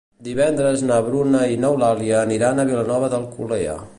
Divendres na Bruna i n'Eulàlia aniran a Vilanova d'Alcolea.